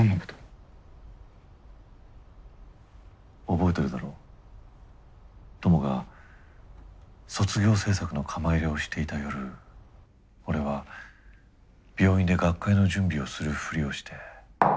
覚えてるだろトモが卒業制作の窯入れをしていた夜俺は病院で学会の準備をするふりをして。